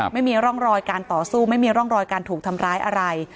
ไม่มีร่องรอยการต่อสู้ไม่มีร่องรอยการถูกทำร้ายอะไร